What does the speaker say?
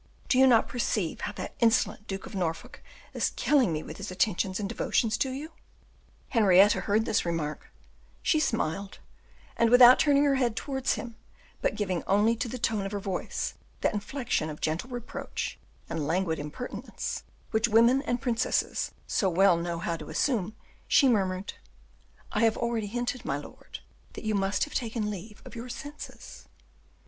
Do you not perceive how that insolent Duke of Norfolk is killing me with his attentions and devotions to you?" Henrietta heard this remark; she smiled, and without turning her head towards him, but giving only to the tone of her voice that inflection of gentle reproach, and languid impertinence, which women and princesses so well know how to assume, she murmured, "I have already hinted, my lord, that you must have taken leave of your senses."